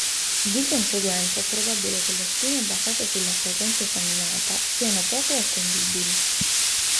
Di conseguenza è probabile che le stime basate sulla frequenza esaminata siano poco attendibili.